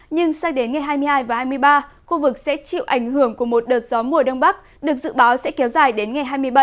nhưng sang đến ngày hai mươi hai và hai mươi ba khu vực sẽ chịu ảnh hưởng của một đợt gió mùa đông bắc được dự báo sẽ kéo dài đến ngày hai mươi bảy